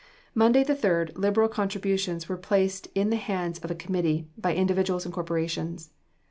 Monday, the 3d, liberal contributions were placed in the hands of a committee, by individuals and corporations.